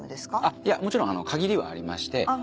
いやもちろん限りはありまして。